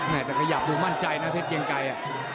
แต่ขยับดูมั่นใจนะเพชรเกียงไกร